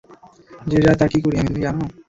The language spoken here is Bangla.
যে যায় তার কি করি আমি, তুমি জানো।